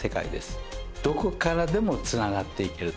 どこからでもつながっていけると。